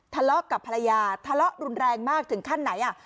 ทะเลาะกับภรรยาทะเลาะรุนแรงมากถึงขั้นไหนอ่ะ